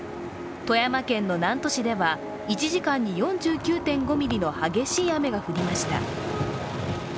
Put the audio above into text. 富山県の南砺市では１時間に４９．５ミリの激しい雨が降りました。